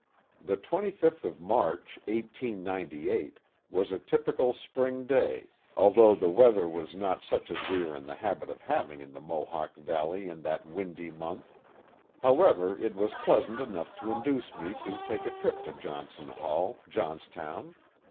The 25th of March, 1898, was a typical spring day, although the weather was not such as we are in the habit of having in the Mohawk Valley in that windy month. However, it was pleasant enough to induce me to take a trip to Johnson Hall, Johnstown.